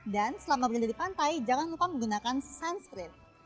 dan selama berada di pantai jangan lupa menggunakan sunscreen